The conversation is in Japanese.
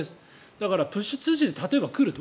だから、プッシュ通知で例えば来ると。